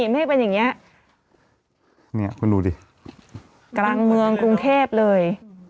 นี่เมฆเป็นอย่างเงี้ยเนี่ยมาดูดิกลางเมืองกรุงเทพเลย